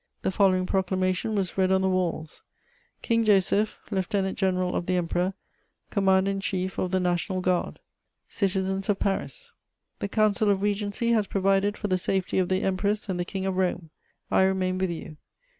The following proclamation was read on the walls: "KING JOSEPH, LIEUTENANT GENERAL OF THE EMPEROR, COMMANDER IN CHIEF OF THE NATIONAL GUARD. "CITIZENS OF PARIS, "The Council of Regency has provided for the safety of the Empress and the King of Rome: I remain with you.